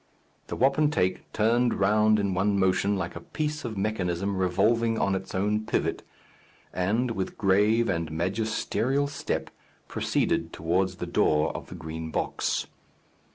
The wapentake turned round in one motion, like a piece of mechanism revolving on its own pivot, and with grave and magisterial step proceeded towards the door of the Green Box.